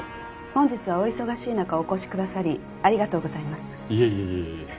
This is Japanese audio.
本日はお忙しい中お越しくださりありがとうございますいえ